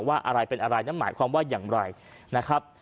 ว่าอะไรเป็นอะไรนั่นหมายความว่าอย่างไรนะครับ